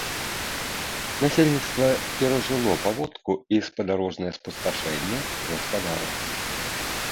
Насельніцтва перажыло паводку і спадарожнае спусташэнне гаспадарак.